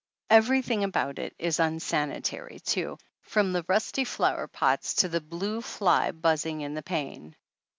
Everything about it is unsanitary, too, from the rusty flower pots to the blue fly "buzzing in the pane."